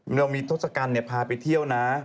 เรามีทศกัณฐ์พาไปเที่ยวนะ